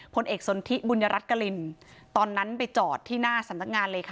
ผลเอกสนทิบุญรัฐกรินตอนนั้นไปจอดที่หน้าสำนักงานเลยค่ะ